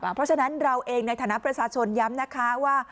เพราะฉะนั้นเราเองในฐานะประชาชนย้ำนะคะว่า